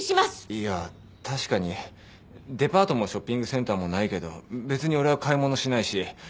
いや確かにデパートもショッピングセンターもないけど別に俺は買い物しないし。